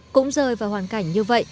cũng rời vào hoàn cảnh như vậy